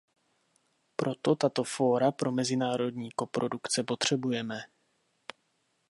Proto tato fóra pro mezinárodní koprodukce potřebujeme.